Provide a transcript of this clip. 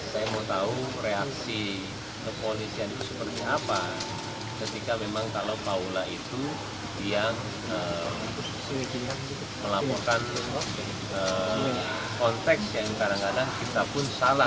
saya mau tahu reaksi kepolisian itu seperti apa ketika memang kalau paula itu yang melaporkan konteks yang kadang kadang kita pun salah